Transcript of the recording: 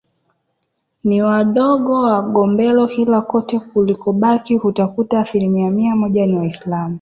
Ni wadigo wa Gombero Ila kote kulikobaki utakuta asilimia mia moja ni waisilamu